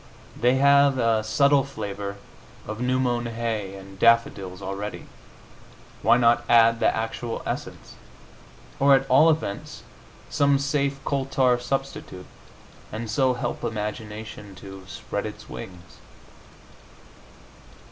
They have a subtle flavor of new mown hay and daffodils already; why not add the actual essence, or at all events some safe coal tar substitute, and so help imagination to spread its wings?